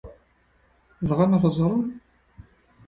Bɣan ad t-ẓren?